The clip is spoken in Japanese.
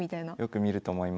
よく見ると思います。